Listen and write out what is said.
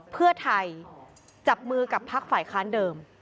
เพื่อไทยจับมือกับพักฝ่ายค้านเดิม